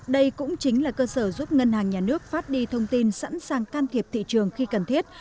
đây cũng chính là cơ sở giúp ngân hàng nhà nước phát đi thông tin sẵn sàng can thiệp thị trường khi cần thiết